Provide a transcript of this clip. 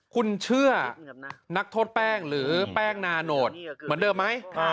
คุณเชื่อนักโทษแป้งหรือแป้งนาโนตเหมือนเดิมไหม